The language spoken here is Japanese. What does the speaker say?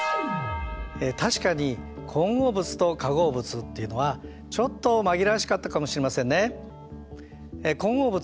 確かに混合物と化合物っていうのはちょっと紛らわしかったかもしれませんね。